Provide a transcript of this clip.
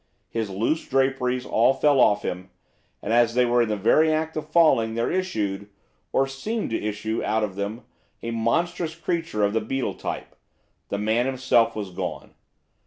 His loose draperies all fell off him, and, as they were in the very act of falling, there issued, or there seemed to issue out of them, a monstrous creature of the beetle tribe, the man himself was gone.